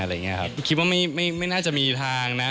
อะไรอย่างนี้ครับคิดว่าไม่ไม่ไม่น่าจะมีทางนะ